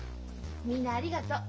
みんなありがとう。